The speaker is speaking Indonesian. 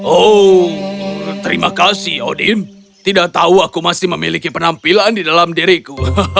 oh terima kasih odin tidak tahu aku masih memiliki penampilan di dalam diriku